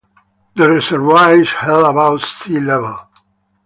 The reservoir is held above sea level.